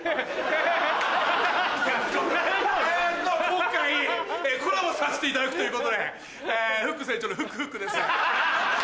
今回コラボさせていただくということでフック船長のフックフックです。